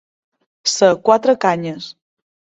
Ser quatre canyes.